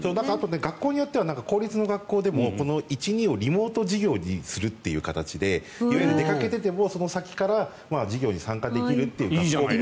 学校によっては公立の学校でも１、２をリモート授業にするという形で出かけていても、その先から授業に参加できるという。